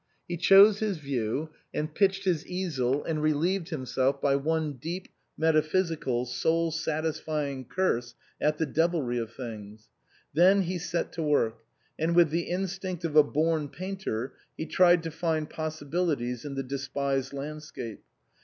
He chose his view and pitched his easel and re lieved himself by one deep, metaphysical, soul satisfying curse at the devilry of things. Then he set to work, and with the instinct of a born painter he tried to find possibilities in the despised landscape.